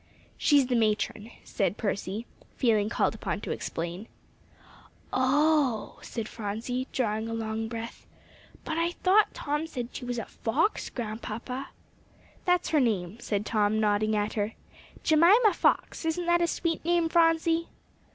"She's the matron," said Percy, feeling called upon to explain. "Oh!" said Phronsie, drawing a long breath, "but I thought Tom said she was a fox, Grandpapa." "That's her name," said Tom, nodding at her; "Jemima Fox isn't that a sweet name, Phronsie?"